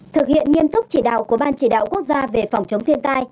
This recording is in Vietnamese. thực hiện nghiêm túc chỉ đạo của ban chỉ đạo quốc gia về phòng chống thiên tai